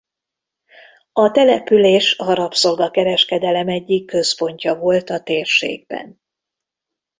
A település a rabszolga-kereskedelem egyik központja volt a térségben.